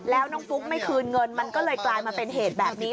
แล้วน้องฟุ๊กไม่คืนเงินมันก็เลยกลายมาเป็นเหตุแบบนี้